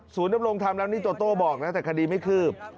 ศูนย์นับโรงทำแล้วนี่โต๊ะโต้บอกนะแต่คดีไม่คืบ